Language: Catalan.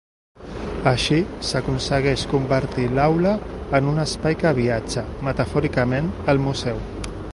Així, s'aconsegueix convertir l'aula en un espai que viatja, metafòricament, al museu.